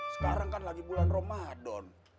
sekarang kan lagi bulan ramadan